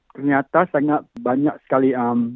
ternyata sangat banyak sekali